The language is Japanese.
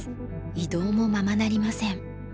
移動もままなりません。